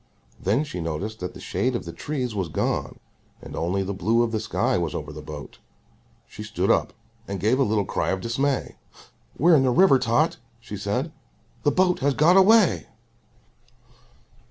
Then she noticed that the shade of the trees was gone and only the blue of the sky was over the boat. She stood up and gave a little cry of dismay. "We're in the river, Tot," she said; "the boat has got away!"